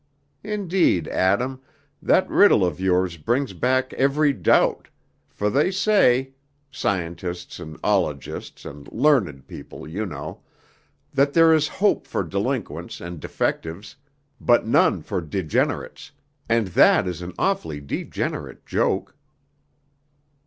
Indeed, Adam, that riddle of yours brings back every doubt, for they say scientists and ologists and learned people, you know that there is hope for delinquents and defectives, but none for degenerates, and that is an awfully degenerate joke."